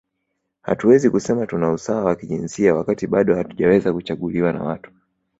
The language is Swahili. Hatuwezi kusema tuna usawa wa kijinsia wakati bado hatujaweza kuchaguliwa na watu